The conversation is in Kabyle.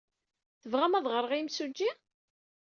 Tebɣamt ad d-ɣreɣ i yimsujji?